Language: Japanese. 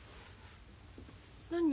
何？